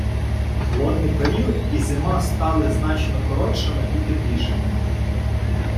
Холодний період і зима стали значно коротшими і теплішими.